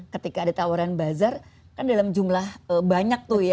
ketika ada tawaran bazar kan dalam jumlah banyak tuh ya